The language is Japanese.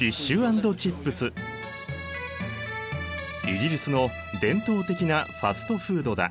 イギリスの伝統的なファストフードだ。